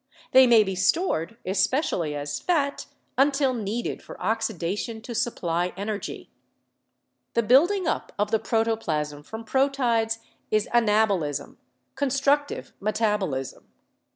They may be stored, especially as fat, until needed for oxidation to supply energy. The building up of the protoplasm from proteids is anabolism, constructive metabolism.